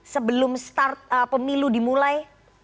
sebelum start pemilu dimulai